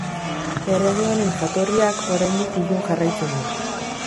Errege honen jatorriak, oraindik ilun jarraitzen du.